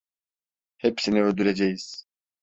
Hepsini öldüreceğiz.